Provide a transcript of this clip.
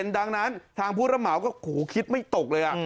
ดังนั้นทางผู้รับเหมาก็คิดไม่ตกเลย